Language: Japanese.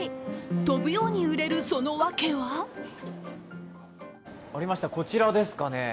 飛ぶように売れるそのわけは？ありました、こちらですかね。